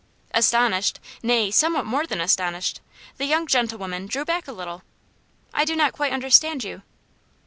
Astonished nay, somewhat more than astonished the young gentlewoman drew back a little. "I do not quite understand you."